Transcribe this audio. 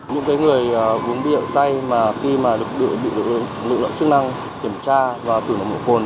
những người vốn bị hậu say mà khi mà được đuổi bị lực lượng chức năng kiểm tra và thử một mũ cồn